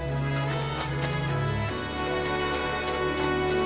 ああ。